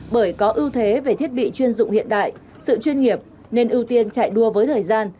bởi có ưu thế về thiết bị chuyên dụng hiện đại sự chuyên nghiệp nên ưu tiên chạy đua với thời gian